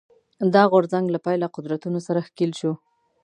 دا غورځنګ له پیله قدرتونو سره ښکېل شو